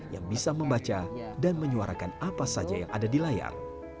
yang bisa membaca dan menyuarakan apa saja yang ada di layar